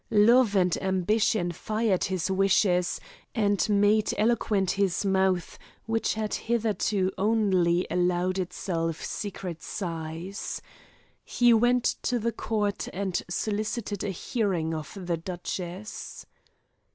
Love and ambition fired his wishes, and made eloquent his mouth, which had hitherto only allowed itself secret sighs. He went to the court and solicited a hearing of the duchess.